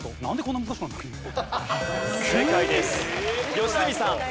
良純さん。